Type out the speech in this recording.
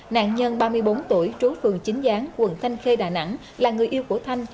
nạn nhân ba mươi bốn tuổi trú phường chính gián quận thanh khê đà nẵng là người yêu của thanh